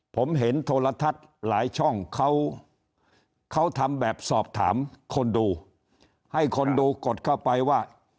ผมเห็นโทรทัศน์หลายช่องเขาเขาทำแบบสอบถามคนดูให้คนดูกดเข้าไปว่า